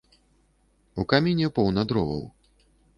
У каміне поўна дроваў.